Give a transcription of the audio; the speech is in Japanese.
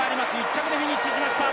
１着でフィニッシュしました！